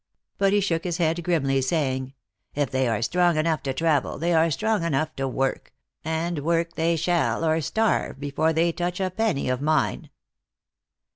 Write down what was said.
But he shook his head grimly, saying : u If they are strong enough to travel, .they are strong enough to work ; and work they shall, or starve, before they touch a penny of mine